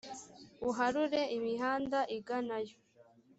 uharure imihanda iganayo,